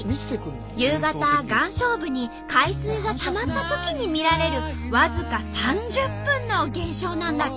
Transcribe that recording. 夕方岩礁部に海水がたまったときに見られる僅か３０分の現象なんだって。